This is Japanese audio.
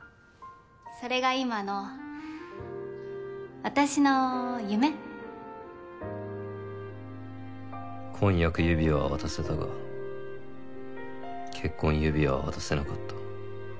それが今の私の夢婚約指輪は渡せたが結婚指輪は渡せなかった。